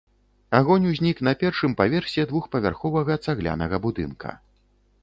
Агонь узнік на першым паверсе двухпавярховага цаглянага будынка.